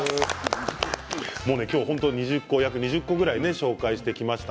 今日は約２０個くらい紹介してきました。